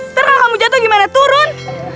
ntar kalau kamu jatuh gimana turun